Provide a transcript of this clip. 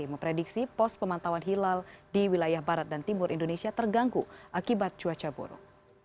memprediksi pos pemantauan hilal di wilayah barat dan timur indonesia terganggu akibat cuaca buruk